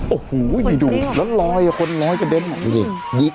โอ้โหยี่ดูนัดก่อนร้อยก็เด้น